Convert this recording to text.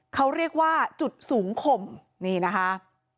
เขาเรียกว่าจุดสูงคมนี่นะคะ